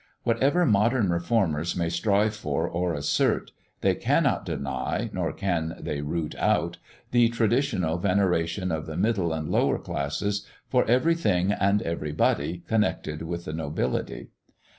Whatever modern reformers may strive for or assert, they cannot deny, nor can they root out, the traditional veneration of the middle and lower classes for everything and everybody connected with the nobility.